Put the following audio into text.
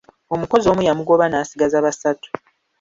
Omukozi omu yamugoba n'asigaza basatu.